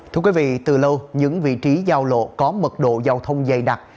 thưa quý vị từ lâu những vị trí giao lộ có mật độ giao thông dày đặc